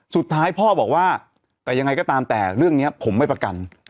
สุดท้ายพ่อบอกว่าแต่ยังไงก็ตามแต่เรื่องนี้ผมไม่ประกัน